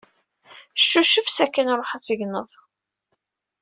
Cucef sakin ruḥ ad tegneḍ.